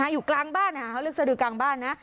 อยู่กลางบ้านนะคะเขาเรียกสดือกลางบ้านนะ